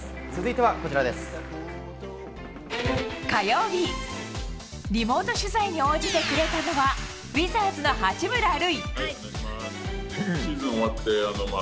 火曜日リモート取材に応じてくれたのはウィザーズの八村塁。